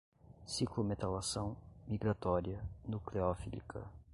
ciclometalação, migratória, nucleofílica